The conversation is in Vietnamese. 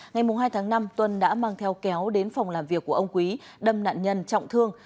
ngày hai tháng năm tuân đã mang theo kéo đến phòng làm việc của ông quý đâm nạn nhân trọng thương